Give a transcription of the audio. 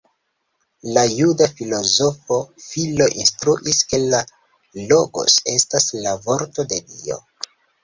La juda filozofo Filo instruis, ke la Logos estas la Vorto de Dio.